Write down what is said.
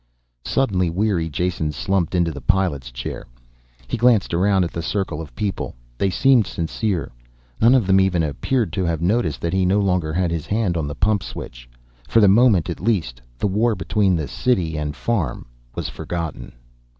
Suddenly weary, Jason slumped into the pilot's chair. He glanced around at the circle of people. They seemed sincere. None of them even appeared to have noticed that he no longer had his hand on the pump switch. For the moment at least, the war between city and farm was forgotten.